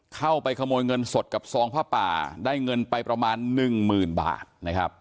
เข้าไปขโมยเงินสดกับซองผ้าป่าได้เงินไปประมาณหนึ่งหมื่นบาทนะครับ